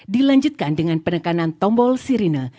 dilanjutkan dengan penekanan tombol sirine